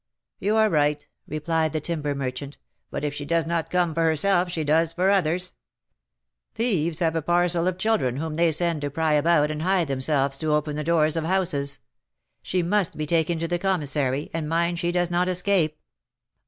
'You are right,' replied the timber merchant; 'but if she does not come for herself, she does for others. Thieves have a parcel of children, whom they send to pry about and hide themselves to open the doors of houses. She must be taken to the commissary, and mind she does not escape.'"